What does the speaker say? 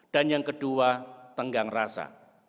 dan yang kedua tenggang rasa